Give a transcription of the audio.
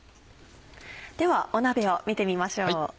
では鍋を見てみましょう。